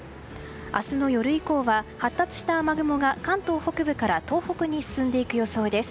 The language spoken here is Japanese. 明日の夜以降は発達した雨雲が関東北部から東北に進んでいく予想です。